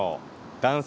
男性